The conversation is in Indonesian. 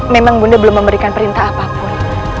memang bunda belum memberikan perintah apapun